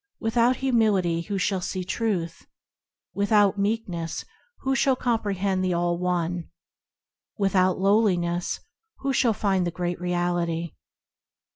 Without Humility who shall see Truth? Without Meekness who shall comprehend the All One ? Without Lowliness who shall find the Great Reality